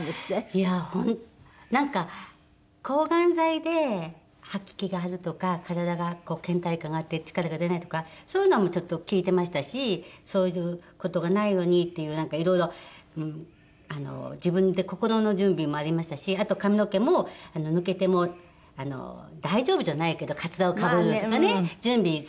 いやなんか抗がん剤で吐き気があるとか体が倦怠感があって力が出ないとかそういうのはちょっと聞いてましたしそういう事がないようにっていうなんかいろいろあの自分で心の準備もありましたしあと髪の毛も抜けても大丈夫じゃないけどかつらをかぶるとかね準備してるじゃないですか。